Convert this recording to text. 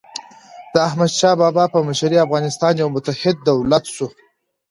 د احمدشاه بابا په مشرۍ افغانستان یو متحد دولت سو.